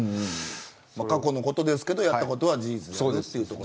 過去のことですけどやったことは事実。